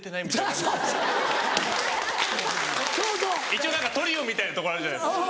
一応トリオみたいなとこあるじゃないですか。